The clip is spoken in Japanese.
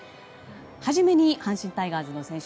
初めに阪神タイガースの選手